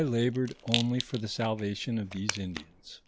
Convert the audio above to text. labored only for the salvation of these Indians.